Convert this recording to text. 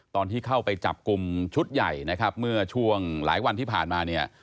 ตอนที่เข้าไปจับกลุ่มชุดใหญ่นะครับเมื่อช่วงหลายวันที่ผ่านมาเนี่ย